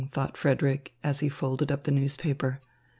thought Frederick, as he folded up the newspaper.